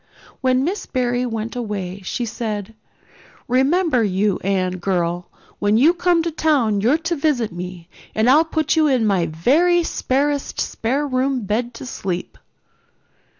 When Miss Barry went away she said: "Remember, you Anne girl, when you come to town you're to visit me and I'll put you in my very sparest spare room bed to sleep."